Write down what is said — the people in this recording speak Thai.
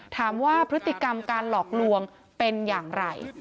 ถามว่าพฤติกรรมการหลอกลวงเป็นอย่างไร